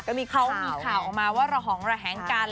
ก็มีเขามีข่าวออกมาว่าระหองระแหงกัน